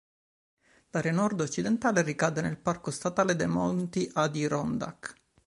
L'area nord-occidentale ricade nel parco statale dei monti Adirondack.